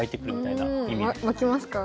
湧きますか？